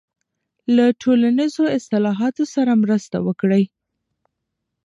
له ټولنیزو اصلاحاتو سره مرسته وکړئ.